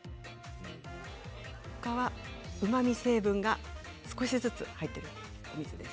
ほかは、うまみ成分が少しずつ入っています。